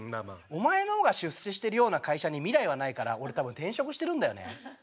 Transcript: お前の方が出世してるような会社に未来はないから俺多分転職してるんだよね。